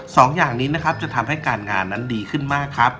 สองอย่างนี้นะครับจะทำให้การงานนั้นดีขึ้นมากครับ